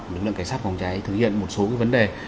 lực lượng cảnh sát vòng cháy thực hiện một số cái vấn đề